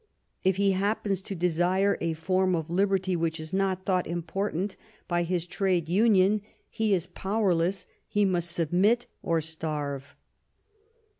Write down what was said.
If he happens to desire a form of liberty which is not thought important by his trade union, he is powerless; he must submit or starve.